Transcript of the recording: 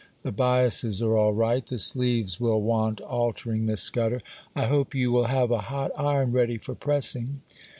The biases are all right; the sleeves will want altering, Miss Scudder. I hope you will have a hot iron ready for pressing.